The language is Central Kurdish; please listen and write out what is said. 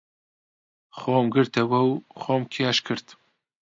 خۆم گرتەوە و خۆم کێش کرد.